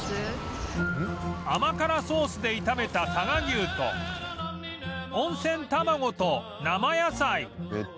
甘辛ソースで炒めた佐賀牛と温泉卵と生野菜